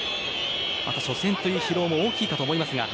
また、初戦という疲労も大きいかと思いますが。